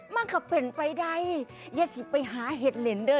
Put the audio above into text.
มันก็เป็นไปได้อย่าสิไปหาเห็ดเหล็นเด้อ